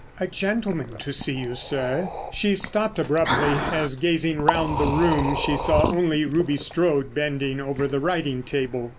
"A gentleman to see you, sir." She stopped abruptly, as, gazing round the room, she saw only Ruby Strode bending over the writing table.